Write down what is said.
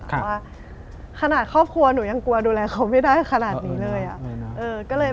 ว่าขนาดครอบครัวหนูยังกลัวดูแลเขาไม่ได้ขนาดนี้เลย